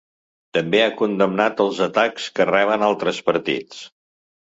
També ha condemnat els atacs que reben altres partits.